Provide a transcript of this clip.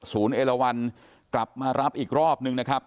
เอลวันกลับมารับอีกรอบนึงนะครับ